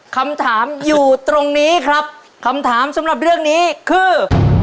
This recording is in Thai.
คำถามอยู่ตรงนี้ครับคำถามสำหรับเรื่องนี้คือ